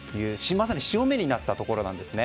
まさに潮目になったところなんですね。